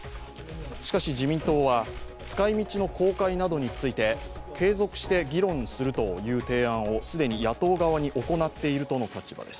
しかし、自民党は使いみちの公開などについて継続して議論するという提案を既に野党側に行っているとの立場です。